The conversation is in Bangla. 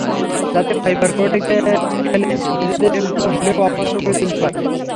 যাতে ফাইবার কোর্টে খেলে নিজেদের একটু হলেও অভ্যস্ত করে তুলতে পারেন।